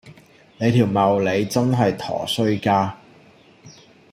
你條茂利真係陀衰家